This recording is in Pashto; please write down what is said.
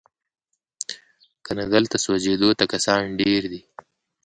کنه دلته سوځېدو ته کسان ډیر دي